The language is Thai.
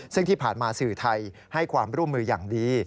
ซึ่งที่ผ่านมาสื่อไทยให้ความร่วมมืออย่างดี